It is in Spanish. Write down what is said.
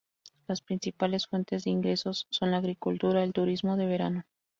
Las principales fuentes de ingresos son la agricultura, el turismo de verano.